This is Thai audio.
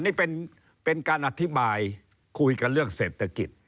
นี่เป็นการอธิบายคุยกันเรื่องเศรษฐกิจ